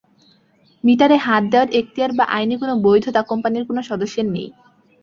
মিটারে হাত দেওয়ার এখতিয়ার বা আইনি কোনো বৈধতা কোম্পানির কোনো সদস্যের নেই।